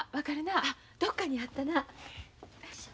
あどっかにあったな。